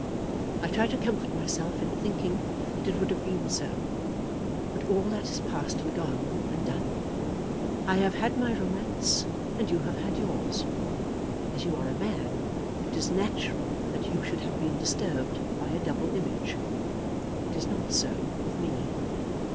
I try to comfort myself in thinking that it would have been so. But all that is past and gone, and done. I have had my romance and you have had yours. As you are a man, it is natural that you should have been disturbed by a double image; it is not so with me."